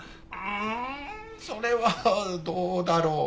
うーんそれはどうだろう？